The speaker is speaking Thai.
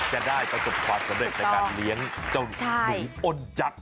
จะได้ประสบความสำเร็จในการเลี้ยงเจ้าหนูอ้นจักร